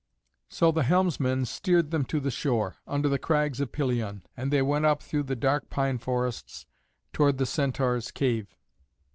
So the helmsman steered them to the shore, under the crags of Pelion, and they went up through the dark pine forests toward the Centaur's cave.